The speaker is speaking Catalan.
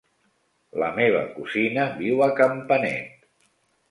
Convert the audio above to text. La meva cosina viu a Campanet.